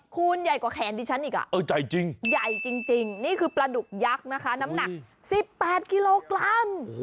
คุณใหญ่กว่าแขนดิฉันอีกอ่ะใหญ่จริงใหญ่จริงนี่คือปลาดุกยักษ์นะคะน้ำหนัก๑๘กิโลกรัม